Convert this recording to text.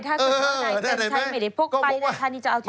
ถ้าเจ้าของในเป็มชัยไม่ได้พกไป